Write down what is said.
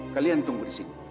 kalian tunggu disini